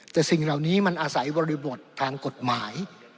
แต่สิ่งเหล่านี้มันอาศัยบริบททางกฎหมาย